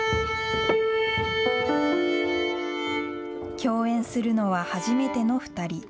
共演するのは初めての２人。